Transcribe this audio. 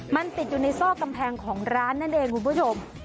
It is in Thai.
มันติดอยู่ในซอกกำแพงของร้านนั่นเองคุณผู้ชม